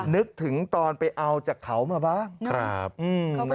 นึกถึงตอนไปเอาจากเขามาบ้างครับ